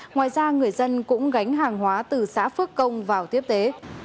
ngoài ra người dân cũng gánh hàng hóa từ xã phước công vào tiếp tế